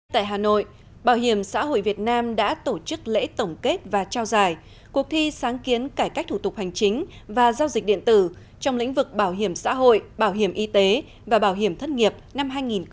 tại hà nội bảo hiểm xã hội việt nam đã tổ chức lễ tổng kết và trao giải cuộc thi sáng kiến cải cách thủ tục hành chính và giao dịch điện tử trong lĩnh vực bảo hiểm xã hội bảo hiểm y tế và bảo hiểm thất nghiệp năm hai nghìn hai mươi